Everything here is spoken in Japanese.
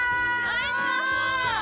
おいしそう！